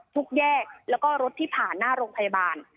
แยกแล้วก็รถที่ผ่านหน้าโรงพยาบาล